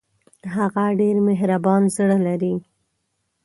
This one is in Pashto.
هغه ډېر مهربان زړه لري